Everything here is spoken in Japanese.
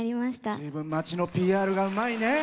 ずいぶん町のＰＲがうまいね。